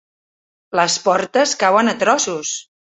Les portes cauen a trossos.